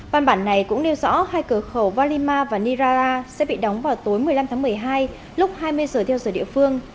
văn bản này cũng nêu rõ hai cửa khẩu valima và nirara sẽ bị đóng vào tối một mươi năm tháng một mươi hai lúc hai mươi giờ theo giờ địa phương